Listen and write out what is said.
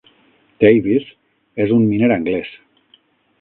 Davis és un miner anglès.